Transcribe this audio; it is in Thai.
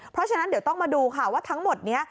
เพราะฉะนั้นเดี๋ยวต้องมาดูค่ะว่าทั้งหมดนี้